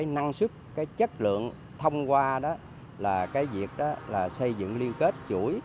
năng sức chất lượng thông qua việc xây dựng liên kết chuỗi